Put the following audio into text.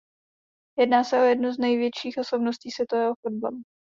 Jedná se o jednu z největších osobností světového fotbalu.